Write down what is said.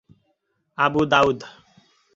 Abu Daud